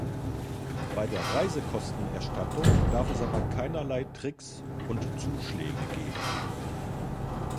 Bei der Reisekostenerstattung darf es aber keinerlei Tricks und Zuschläge geben.